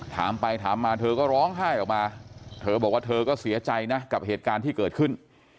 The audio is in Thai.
ถามไปถามมาเธอก็ร้องไห้ออกมาเธอบอกว่าเธอก็เสียใจนะกับเหตุการณ์ที่เกิดขึ้น